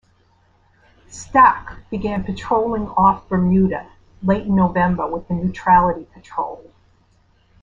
"Stack" began patrolling off Bermuda late in November with the Neutrality Patrol.